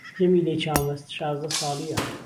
جەمیلەی چاو مەست شازدە ساڵی یە